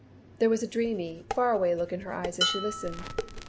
There was a dreamy, far away look in her eyes as she listened.